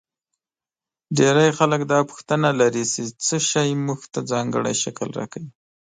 ډېر خلک دا پوښتنه لري چې څه شی موږ ته ځانګړی شکل راکوي.